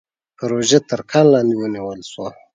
پروژه تر کار لاندې ونيول شوه.